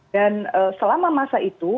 dan selama masa itu